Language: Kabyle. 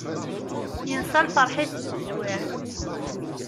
Yensa lferḥ-is deg teswiεt.